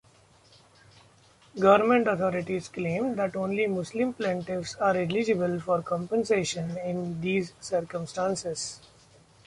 Government authorities claim that only Muslim plaintiffs are eligible for compensation in these circumstances.